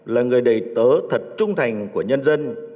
là người đầy tớ thật trung thành của nhân dân